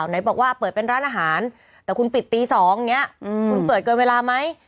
ไหนบอกว่าเปิดเป็นร้านอาหารแต่คุณปิดตี๒อย่างนี้คุณเปิดเกินเวลาไหม